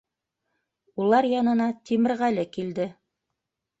Улар янына Тимерғәле килде.